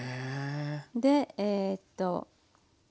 でええと。